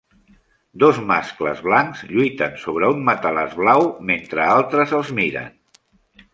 Dos mascles blancs lluiten sobre un matalàs blau mentre altres els miren